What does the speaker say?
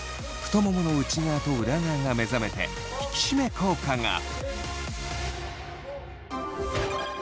太ももの内側と裏側が目覚めて引き締め効果が！